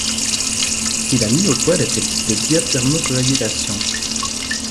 Il a mis au point des techniques de diathermo-coagulation.